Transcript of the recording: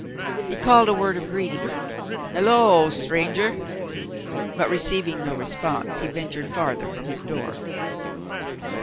He called a word of greeting, "Hello, stranger!" but receiving no response he ventured farther from his door.